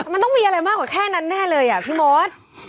มันต้องมีอะไรมากกว่าแค่นั้นแน่เลยอ่ะพี่มด